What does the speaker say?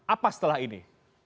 apa setelah ini